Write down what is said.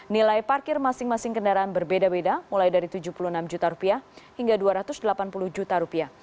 nilai parkir masing masing kendaraan berbeda beda mulai dari rp tujuh puluh enam juta hingga rp dua ratus delapan puluh juta